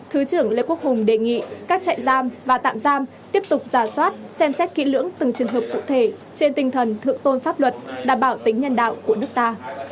thứ trưởng lê quốc hùng đề nghị các trại giam và tạm giam tiếp tục giả soát xem xét kỹ lưỡng từng trường hợp cụ thể trên tinh thần thượng tôn pháp luật đảm bảo tính nhân đạo của nước ta